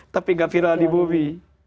tapi tidak firali bumi